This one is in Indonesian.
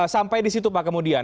sampai di situ pak kemudian